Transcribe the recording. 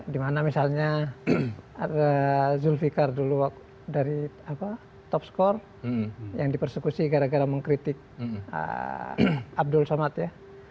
dimana misalnya zulfiqar dulu dari top score yang dipersekusi gara gara mengkritik abdul somad ya